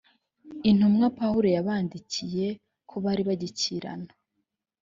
intumwa pawulo yabandikiye ko bari bagikirana